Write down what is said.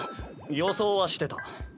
予想はしてた。